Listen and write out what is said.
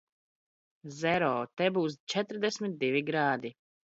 Zero! Te būs četrdesmit divi grādi.